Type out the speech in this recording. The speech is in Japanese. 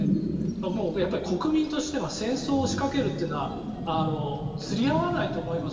もう国民としては戦争を仕掛けるっていうのは釣り合わないと思います。